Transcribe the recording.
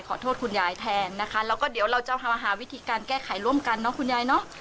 คุณยายแทนนะคะแล้วก็เดี๋ยวเราจะหาวิธีการแก้ไขร่วมกันเนอะคุณยายเนอะ